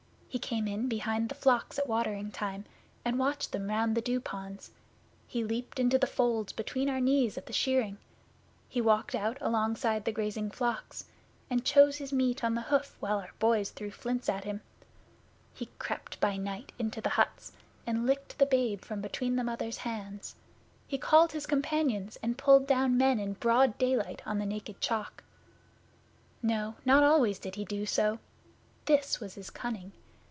He came in behind the flocks at watering time, and watched them round the Dew ponds; he leaped into the folds between our knees at the shearing; he walked out alongside the grazing flocks, and chose his meat on the hoof while our boys threw flints at him; he crept by night 'into the huts, and licked the babe from between the mother's hands; he called his companions and pulled down men in broad daylight on the Naked Chalk. No not always did he do so! This was his cunning!